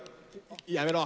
やめろ！